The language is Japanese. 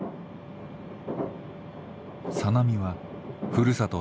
小波はふるさと